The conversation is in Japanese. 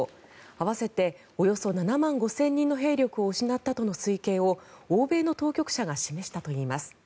合わせておよそ７万５０００人の兵力を失ったとの推計を欧米の当局者が示したといいます。